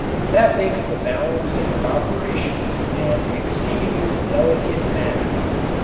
That makes the balancing of operations an exceedingly delicate matter.